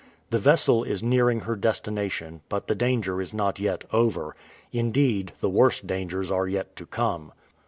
The vessel is nearing her destination, but the danger is not yet over ; indeed the worst dangers are yet to come.